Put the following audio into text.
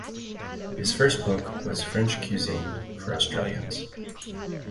His first book was "French Cuisine for Australians".